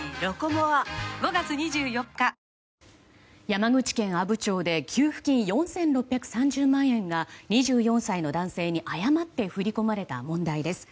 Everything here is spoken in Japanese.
山口県阿武町で給付金４６３０万円が２４歳の男性に誤って振り込まれた問題です。